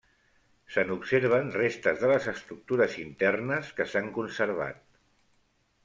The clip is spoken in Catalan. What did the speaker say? Se n'observen restes de les estructures internes que s'han conservat.